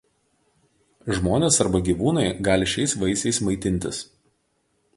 Žmonės arba gyvūnai gali šiais vaisiais maitintis.